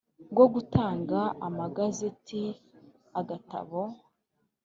bwo gutanga amagazeti Agatabo